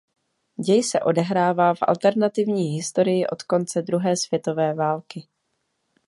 Děj se odehrává v alternativní historii od konce druhé světové války.